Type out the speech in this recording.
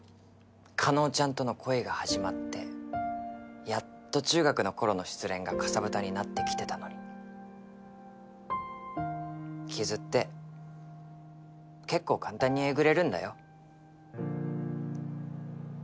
叶ちゃんとの恋が始まってやっと中学のころの失恋がカサブタになってきてたのに傷って結構簡単にえぐれるんだよ